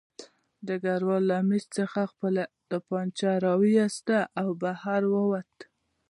ډګروال له مېز څخه خپله توپانچه راواخیسته او بهر ووت